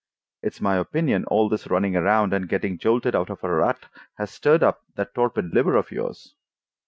It's my opinion all this running around, and getting jolted out of a rut, has stirred up that torpid liver of yours."